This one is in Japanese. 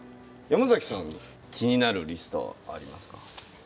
ヤマザキさん気になるリストありますか？